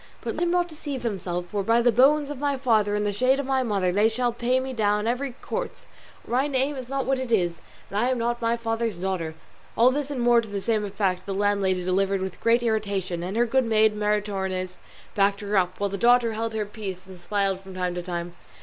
But let him not deceive himself, for, by the bones of my father and the shade of my mother, they shall pay me down every quarto; or my name is not what it is, and I am not my father's daughter." All this and more to the same effect the landlady delivered with great irritation, and her good maid Maritornes backed her up, while the daughter held her peace and smiled from time to time.